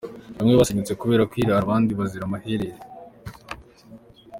Bamwe basenyutse kubera kwirara abandi bazira amaherere.